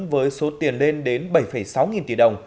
với số tiền lên đến bảy sáu nghìn tỷ đồng